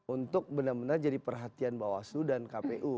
untuk benar benar jadi perhatian bawaslu dan kpu